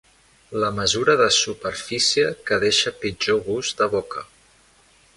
La mesura de superfície que deixa pitjor gust de boca.